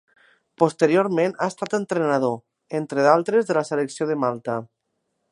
Posteriorment ha estat entrenador, entre d'altres de la selecció de Malta.